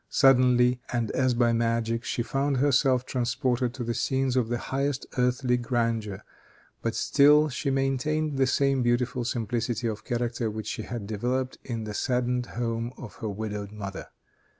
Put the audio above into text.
Suddenly, and as by magic, she found herself transported to the scenes of the highest earthly grandeur, but still she maintained the same beautiful simplicity of character which she had developed in the saddened home of her widowed mother.